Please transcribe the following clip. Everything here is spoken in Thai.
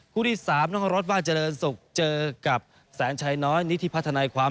คู่ที่๓น้องโรจบ้านเจริญศุกร์เจอกับแสนไชน้อยนิทิพัฒนาความ